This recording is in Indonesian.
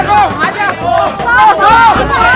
tidak ada apa apa